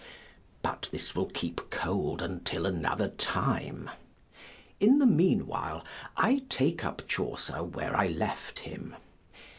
But this will keep cold till another time. In the mean while I take up Chaucer where I left him.